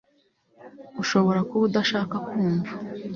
ushobora kuba udashaka kumva